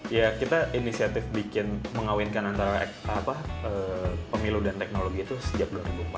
ya kita inisiatif bikin mengawinkan antara pemilu dan teknologi itu sejak dua ribu empat belas